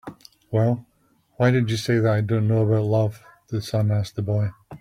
"Well, why did you say that I don't know about love?" the sun asked the boy.